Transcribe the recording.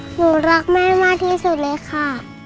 หนูรักแม่มากที่สุดเลยค่ะ